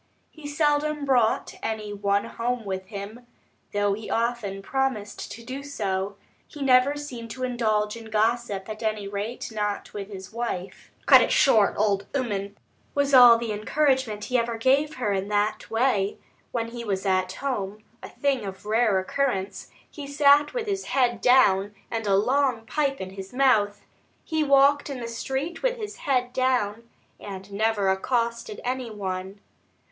He seldom brought any one home with him, though he often promised to do so; he never seemed to indulge in gossip, at any rate not with his wife. "Cut it short, old 'ooman," was all the encouragement he ever gave her in that way. When he was at home a thing of rare occurrence he sat with his head down and a long pipe in his mouth; he walked in the street with his head down, and never accosted any one.